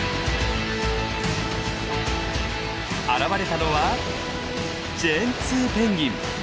現れたのはジェンツーペンギン。